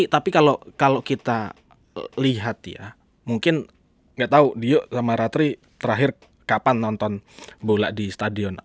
tapi kalau kita lihat ya mungkin nggak tahu dio sama ratri terakhir kapan nonton bola di stadion